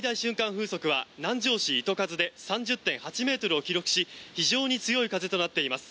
風速は南城市糸数で３０．８ｍを記録し非常に強い風となっています。